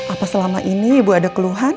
apa selama ini ibu ada keluhan